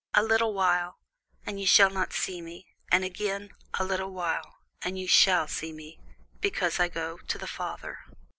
A little while, and ye shall not see me: and again, a little while, and ye shall see me, because I go to the Father.